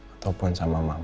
ataupun sama mama